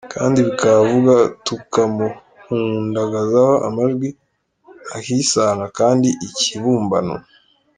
kandi bikaba vuba tukamuhundagazaho amajwi ahisanga kandi ikibumbano.